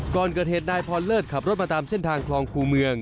ก่อนเกิดเหตุนายพรเลิศขับรถมาตามเส้นทางคลองคู่เมือง